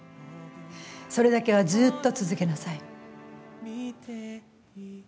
それだけは、ずっと続けなさい。